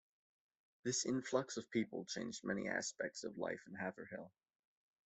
This influx of people changed many aspects of life in Haverhill.